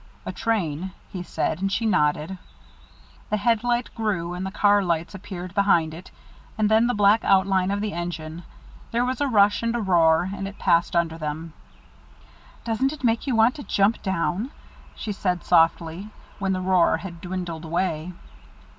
"A train," he said; and she nodded. The headlight grew, and the car lights appeared behind it, and then the black outline of the engine. There was a rush and a roar, and it passed under them. "Doesn't it make you want to jump down?" she said softly, when the roar had dwindled away.